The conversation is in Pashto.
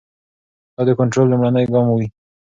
دا د کنټرول لومړنی ګام وي.